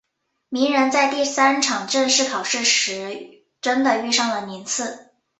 鸣人在第三场正式考试时真的遇上了宁次。